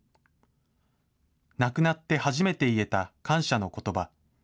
亡くなって初めて言えた感謝のことば。